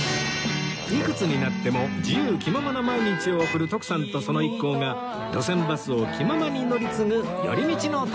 いくつになっても自由気ままな毎日を送る徳さんとその一行が路線バスを気ままに乗り継ぐ寄り道の旅